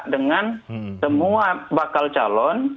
dengan semua bakal calon